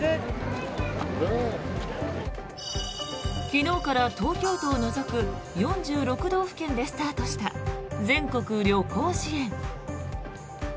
昨日から東京都を除く４６道府県でスタートした全国旅行支援。